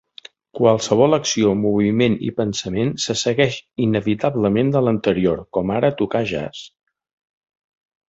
Qualsevol acció, moviment i pensament se segueix inevitablement de l’anterior, com ara tocar jazz.